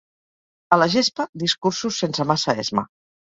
A la gespa discursos sense massa esma.